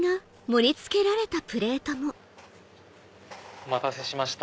お待たせしました。